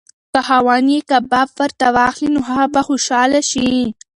که خاوند یې کباب ورته واخلي نو هغه به خوشحاله شي.